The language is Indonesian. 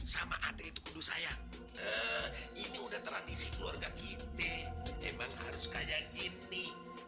sama adik itu kudu saya ini udah tradisi keluarga kita emang harus kayak gini